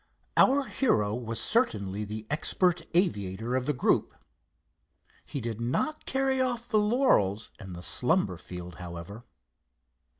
Our hero was certainly the expert aviator of the group. He did not carry off the laurels in the slumber field, however.